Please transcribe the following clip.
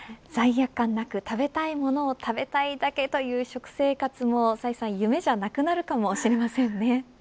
罪悪感なく、食べたいものを食べたいだけという食生活も夢じゃなくなるかもしれませんね。